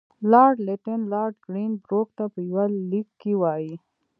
لارډ لیټن لارډ ګرین بروک ته په یوه لیک کې وایي.